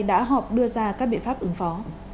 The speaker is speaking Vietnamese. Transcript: đã họp đưa ra các biện pháp ứng phó